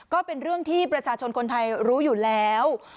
ก็เป็นเรื่องที่ประชาชนคนไทยรู้อยู่แล้ว